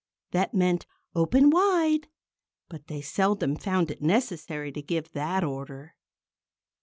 _" That meant "Open wide!" But they seldom found it necessary to give that order.